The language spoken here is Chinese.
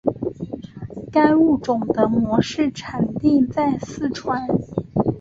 该物种的模式产地在四川。